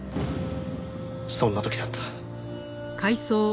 そんな時だった。